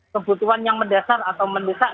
kebutuhan yang mendasar atau mendesak